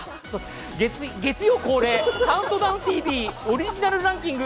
月曜恒例、「ＣＤＴＶ」オリジナルランキング。